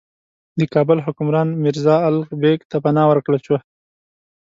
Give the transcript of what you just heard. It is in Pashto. د کابل حکمران میرزا الغ بېګ ته پناه ورکړل شوه.